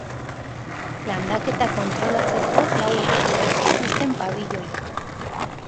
Landaketa kontrolatzeko lau egutegi zituzten pabiloian.